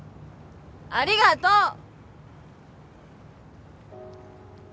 ありがとう。